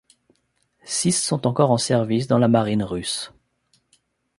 Six sont encore en service dans la marine russe.